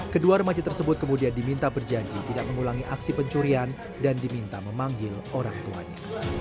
kedua remaja tersebut kemudian diminta berjanji tidak mengulangi aksi pencurian dan diminta memanggil orang tuanya